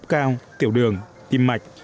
huyết áp cao tiểu đường tim mạch